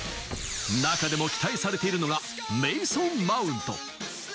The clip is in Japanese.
中でも期待されているのがメイソン・マウント。